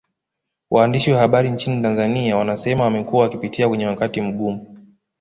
Waandishi wa habari nchini Tanzania wanasema wamekuwa wakipitia kwenye wakati mgumu